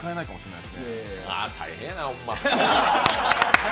大変なや、ホンマ。